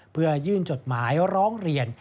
เพื่อยื่นจดหมายร้องเรียน